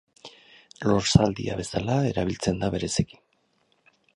Lor-zaldia bezala erabiltzen da bereziki.